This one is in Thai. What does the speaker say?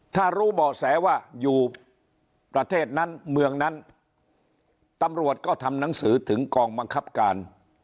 ถ้ารู้เบาะแสว่าอยู่ประเทศนั้นเมืองนั้นตำรวจก็ทำหนังสือถึงกองบังคับการ